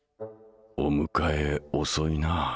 お迎え遅いな。